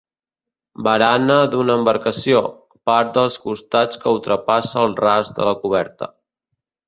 Barana d'una embarcació, part dels costats que ultrapassa el ras de la coberta.